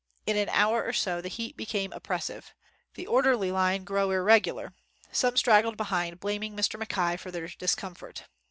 In an hour or so, the heat became oppressive. The orderly line grow irregular. Some straggled behind, blaming Mr. Mackay for their discomfort.